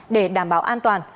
để đảm bảo an toàn